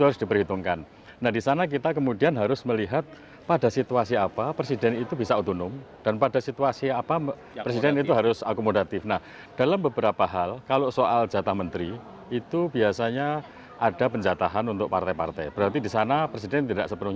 harapan saya tahun depan itu sudah mulai ada trend daftar tersebut